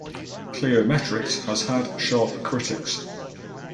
Cliometrics has had sharp critics.